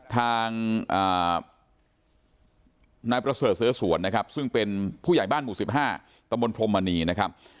ทางนายประเสริฐเสือสวนนะครับซึ่งเป็นผู้ใหญ่บ้านหมู่๑๕ตะบนพรมมณีนะครับ